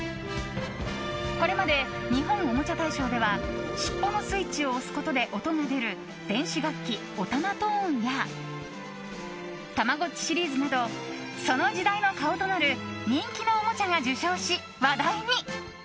これまで日本おもちゃ大賞では尻尾のスイッチを押すことで音が出る電子楽器オタマトーンやたまごっちシリーズなどその時代の顔となる人気のおもちゃが受賞し話題に。